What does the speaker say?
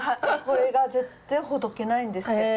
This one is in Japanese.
これが全然ほどけないんです。